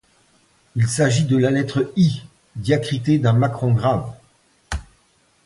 Il s'agit de la lettre I diacritée d'un macron-grave.